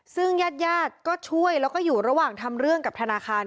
ซึ่งญาติญาติก็ช่วยแล้วก็อยู่ระหว่างทำเรื่องกับธนาคาร